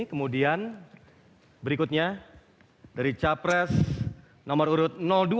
kemudian berikutnya dari capres nomor urut dua